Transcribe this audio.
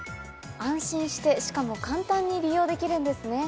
安心してしかも簡単に利用できるんですね。